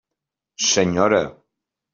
Senyora.